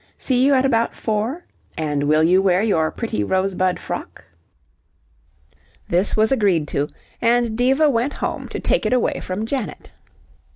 "See you at about four? And will you wear your pretty rosebud frock?" This was agreed to, and Diva went home to take it away from Janet.